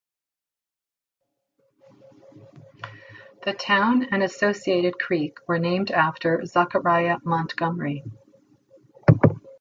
The town and associated creek were named after Zachariah Montgomery.